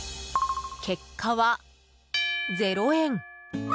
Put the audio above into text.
結果は０円。